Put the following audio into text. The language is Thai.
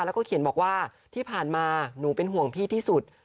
แล้วก็เขียนบอกว่าที่ผ่านมาหนูเป็นห่วงพี่ที่สุด